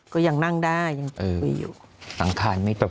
ก็ยังนั่งได้ยังคุยอยู่สังคารไม่จบ